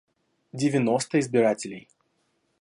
Девяносто избирателей